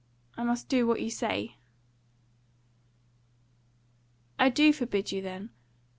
I must do what you say." "I do forbid you, then.